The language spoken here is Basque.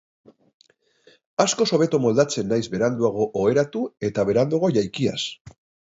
Askoz hobeto moldatzen naiz beranduago oheratu eta beranduago jaikiaz.